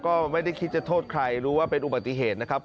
ก็ไม่ได้คิดจะโทษใครรู้ว่าเป็นอุบัติเหตุนะครับ